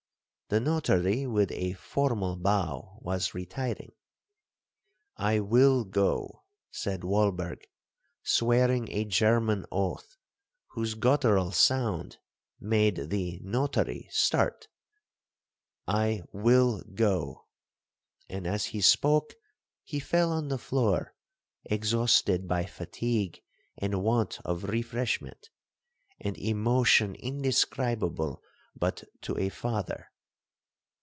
The notary, with a formal bow, was retiring. 'I will go!' said Walberg, swearing a German oath, whose gutteral sound made the notary start,—'I will go!' and as he spoke he fell on the floor, exhausted by fatigue and want of refreshment, and emotion indescribable but to a father.